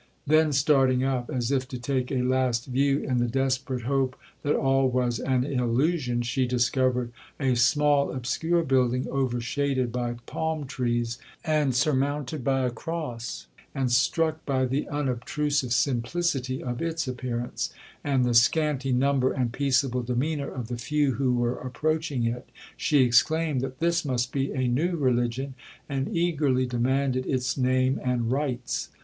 then, starting up as if to take a last view, in the desperate hope that all was an illusion, she discovered a small obscure building overshaded by palm trees, and surmounted by a cross; and struck by the unobtrusive simplicity of its appearance, and the scanty number and peaceable demeanour of the few who were approaching it, she exclaimed, that this must be a new religion, and eagerly demanded its name and rites.